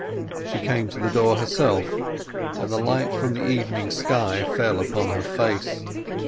She came to the door herself, and the light from the evening sky fell upon her face.